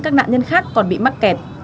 các nạn nhân khác còn bị mắc kẹt